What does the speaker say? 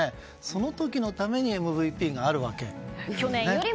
その時のためにＭＶＰがあるわけですよね。